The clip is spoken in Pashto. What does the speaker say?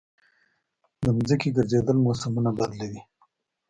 د ځمکې ګرځېدل موسمونه بدلوي.